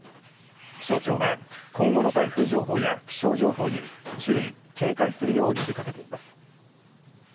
気象庁は今後の台風情報や気象情報に注意、警戒するよう呼びかけています。